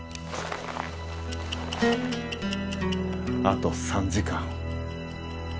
あと３時間。